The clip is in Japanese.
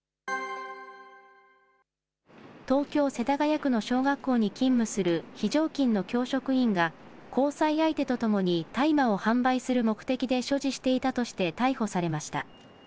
東京・世田谷区の小学校に勤務する非常勤の教職員が、交際相手とともに大麻を販売する目的で所持していたとして逮捕されました。